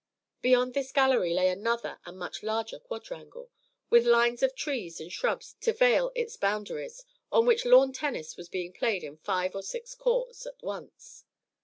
Beyond this gallery lay another and much larger quadrangle, with lines of trees and shrubs to veil its boundaries, on which lawn tennis was being played in five or six courts at once.